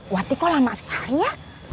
wati kok lama sekali ya